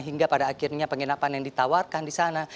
hingga pada akhirnya penginapan yang ditawarkan di sana